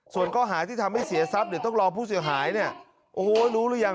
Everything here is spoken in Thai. ส่วนข้อหาที่ทำให้เสียทรัพย์เดี๋ยวต้องรอผู้เสียหายเนี่ยโอ้โหรู้หรือยัง